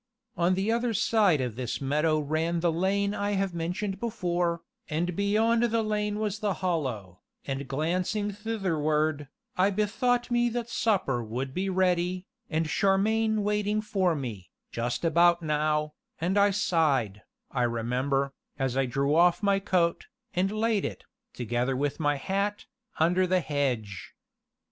On the other side of this meadow ran the lane I have mentioned before, and beyond the lane was the Hollow, and glancing thitherward, I bethought me that supper would be ready, and Charmian waiting for me, just about now, and I sighed, I remember, as I drew off my coat, and laid it, together with my hat, under the hedge.